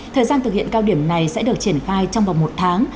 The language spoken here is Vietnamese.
thời gian thực hiện cao điểm này sẽ được triển khai trong vòng một tháng